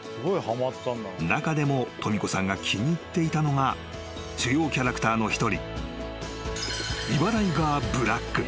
［中でもとみ子さんが気に入っていたのが主要キャラクターの一人］